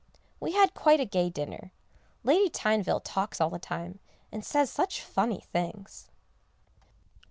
We had quite a gay dinner; Lady Tyneville talks all the time, and says such funny things.